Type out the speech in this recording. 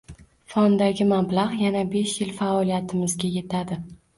Fonddagi mablag‘ yana besh yil faoliyatimizga yetadi.